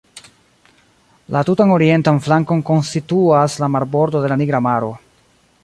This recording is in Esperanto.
La tutan orientan flankon konstituas la marbordo de la Nigra Maro.